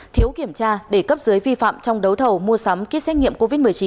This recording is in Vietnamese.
thiếu kiểm tra để cấp dưới vi phạm trong đấu thầu mua sắm kit xét nghiệm covid một mươi chín